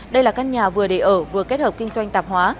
đây là căn nhà vừa để ở vừa kết hợp kinh doanh tạp hóa